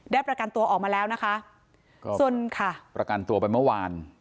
ประกันตัวออกมาแล้วนะคะก็สนค่ะประกันตัวไปเมื่อวาน